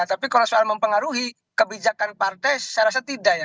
tapi kalau soal mempengaruhi kebijakan partai saya rasa tidak ya